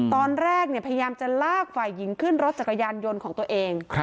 พยายามจะลากฝ่ายหญิงขึ้นรถจักรยานยนต์ของตัวเอง